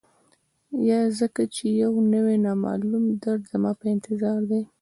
یا ځکه چي یو نوی، نامعلوم درد زما په انتظار دی